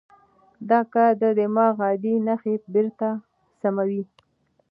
دا کار د دماغ عادي نښې بېرته سموي.